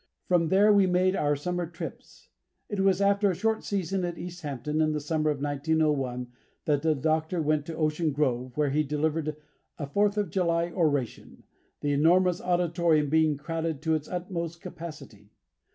From there we made our summer trips. It was after a short season at East Hampton in the summer of 1901, that the Doctor went to Ocean Grove, where he delivered a Fourth of July oration, the enormous auditorium being crowded to its utmost capacity.